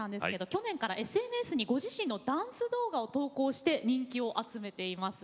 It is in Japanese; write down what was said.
去年からＳＮＳにご自身のダンス動画を投稿して人気を集めています。